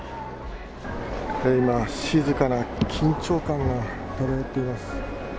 今、静かな緊張感が漂っています。